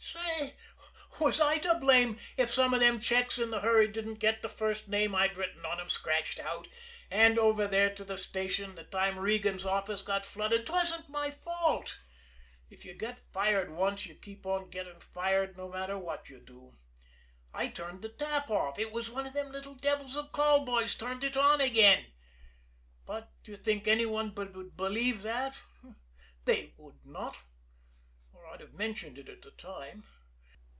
Say, was I to blame if some of them checks in the hurry didn't get the first name I'd written on 'em scratched out? And over there to the station the time Regan's office got flooded 'twasn't my fault. If you get fired once, you keep on getting fired no matter what you do. I turned the tap off. It was one of them little devils of call boys turned it on again. But do you think any one would believe that? They would not or I'd have mentioned it at the time.